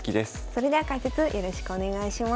それでは解説よろしくお願いします。